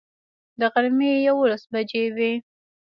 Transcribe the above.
د غرمې یوولس بجې وې.